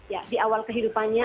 ya di awal kehidupannya